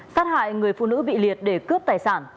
sát hại người phụ nữ bị liệt để cướp tài sản